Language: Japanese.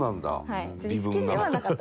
はい。